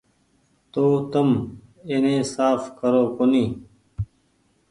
تو تم ايني ساڦ ڪرو ڪونيٚ ۔